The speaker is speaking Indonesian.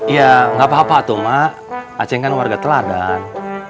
ya gapapa tuh mak acing kan warga teladan